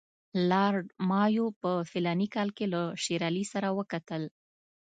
لارډ مایو په فلاني کال کې له شېر علي سره وکتل.